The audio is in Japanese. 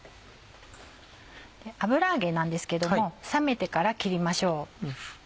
油揚げなんですけども冷めてから切りましょう。